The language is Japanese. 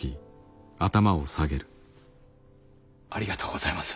ありがとうございます。